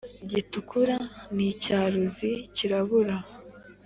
gitukura n icyaruzi cyirabura